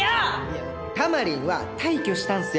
いやタマリンは退去したんすよ。